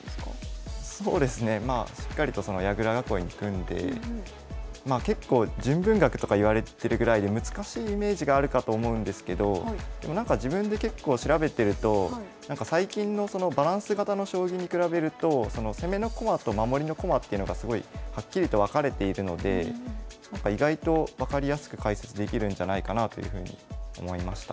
そうですねまあしっかりとその矢倉囲いに組んでまあ結構純文学とかいわれてるぐらいで難しいイメージがあるかと思うんですけどでもなんか自分で結構調べてると最近のバランス型の将棋に比べると意外と分かりやすく解説できるんじゃないかなというふうに思いました。